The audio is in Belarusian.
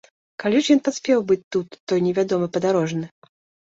Калі ж ён паспеў быць тут, той невядомы падарожны?